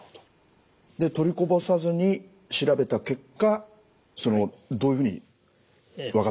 で取りこぼさずに調べた結果どういうふうに分かってくるんでしょうか？